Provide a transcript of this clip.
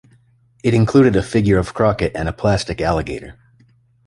It included a figure of Crockett and a plastic alligator.